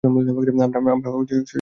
আমরা লোকটিকে ধরেছি।